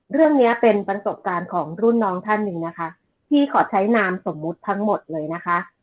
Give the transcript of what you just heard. เรื่องเนี้ยเป็นประสบการณ์ของรุ่นน้องท่านหนึ่งนะคะพี่ขอใช้นามสมมุติทั้งหมดเลยนะคะ